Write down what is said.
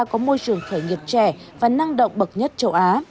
có môi trường khởi nghiệp trẻ và năng động bậc nhất châu á